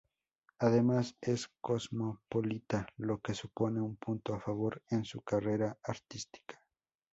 Además es cosmopolita, lo que supone un punto a favor en su carrera artística.